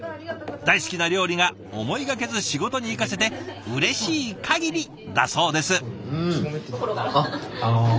大好きな料理が思いがけず仕事に生かせてうれしいかぎりだそうです。